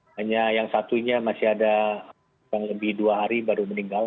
hanya yang satunya masih ada kurang lebih dua hari baru meninggal